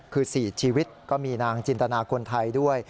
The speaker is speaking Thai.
คือ๔ชีวิตก็มีนางจินตนาคนไทยด้วย